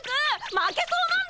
負けそうなんだ！